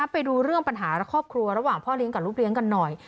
ไปดูเรื่องปัญหาและครอบครัวระหว่างพ่อเลี้ยงกับลูกเลี้ยงกันหน่อย